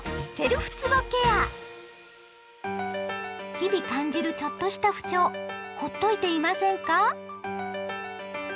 日々感じるちょっとした不調ほっといていませんか？